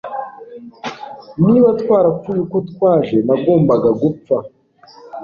niba twarapfuye uko twaje, nagombaga gupfa